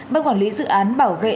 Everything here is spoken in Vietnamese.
bác quản lý dự án bảo vệ